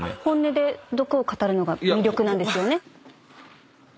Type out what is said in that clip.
本音で毒を語るのが魅力なんですよね？